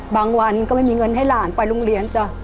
วันก็ไม่มีเงินให้หลานไปโรงเรียนจ้ะ